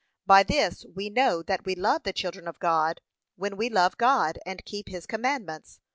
'By this we know that we love the children of God, when we love God, and keep his commandments.